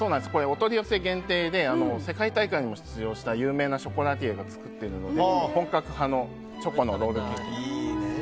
お取り寄せ限定で世界大会にも出場した有名なショコラティエが作っている本格派のロールケーキです。